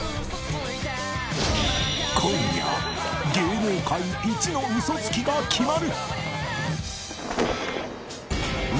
今夜芸能界一の嘘つきが決まる！